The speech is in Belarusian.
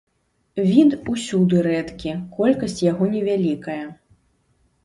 Від усюды рэдкі, колькасць яго невялікая.